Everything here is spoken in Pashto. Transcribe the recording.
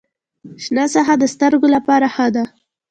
شنه ساحه د سترګو لپاره ښه ده